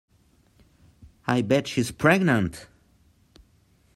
I bet she's pregnant!